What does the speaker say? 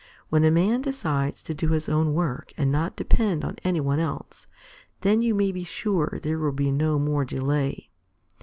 When a man decides to do his own work and not depend on any one else, then you may be sure there will be no more delay."